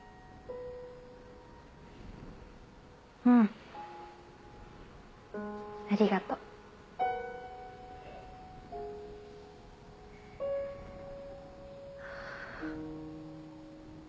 うんありがとう。